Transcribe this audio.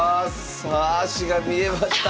足が見えました。